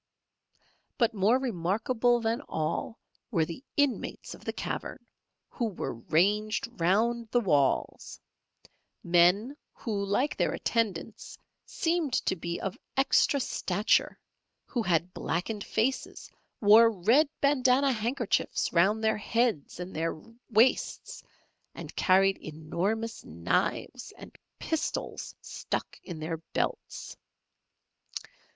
But more remarkable than all were the inmates of the cavern, who were ranged round the walls; men, who like their attendants, seemed to be of extra stature; who had blackened faces, wore red bandanna handkerchiefs round their heads and their waists, and carried enormous knives and pistols stuck in their belts.